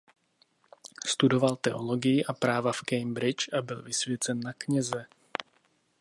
Studoval teologii a práva v Cambridge a byl vysvěcen na kněze.